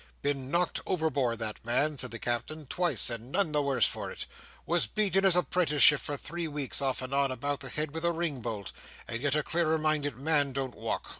Been knocked overboard, that man," said the Captain, "twice, and none the worse for it. Was beat in his apprenticeship, for three weeks (off and on), about the head with a ring bolt. And yet a clearer minded man don't walk."